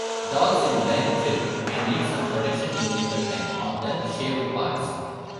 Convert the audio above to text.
Dogs in lion clip may need some protection in wintertime on the shaved parts.